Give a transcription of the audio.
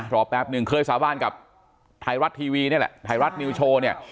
รอแป๊บนึงเคยสาบานกับไทยรัฐทีวีนี่แหละไทยรัฐนิวโชว์เนี่ย